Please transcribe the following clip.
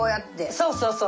そうそうそう。